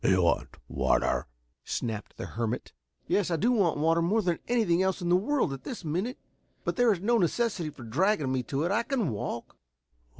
"You want water?" snapped the hermit. "Yes, I do want water more than anything else in the world at this minute, but there is no necessity for dragging me to it. I can walk."